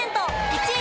１位